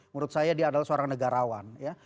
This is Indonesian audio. menurut saya dia adalah seorang negarawan ya